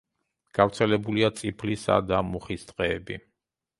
გავრცელებულია წიფლისა და მუხის ტყეები.